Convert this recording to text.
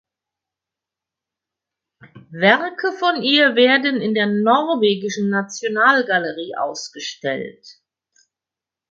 Werke von ihr werden in der norwegischen Nationalgalerie ausgestellt.